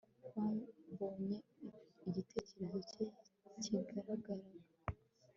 Babonye igitereko cye kigaragara